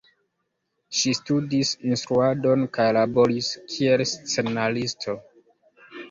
Ŝi studis instruadon kaj laboris kiel scenaristo.